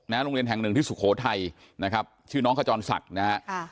โรงเรียนแห่งหนึ่งที่สุโขทัยนะครับชื่อน้องขจรศักดิ์นะฮะ